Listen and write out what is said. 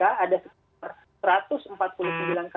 ada setiap perangkat